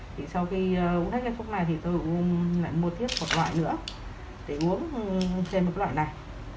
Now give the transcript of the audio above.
thì sau khi uống hết cái thuốc này thì tôi lại mua tiếp một loại nữa để uống thêm một loại này